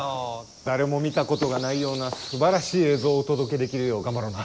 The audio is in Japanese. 誰も見たことがないようなすばらしい映像をお届けできるよう頑張ろうな。